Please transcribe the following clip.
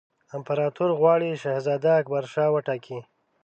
امپراطور غواړي شهزاده اکبرشاه وټاکي.